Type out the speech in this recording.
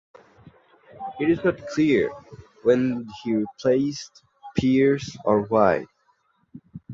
It is not clear when he replaced Peers or why.